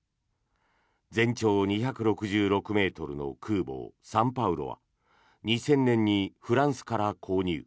全長２６６ｍの空母「サンパウロ」は２０００年にフランスから購入。